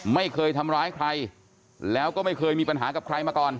ไม่เคยทำร้ายใครแล้วก็ไม่เคยมีปัญหากับใครมาก่อน